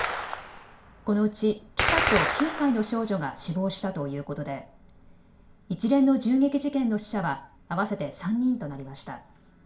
このうち記者と９歳の少女が死亡したということで一連の銃撃事件の死者は合わせて３人となりました。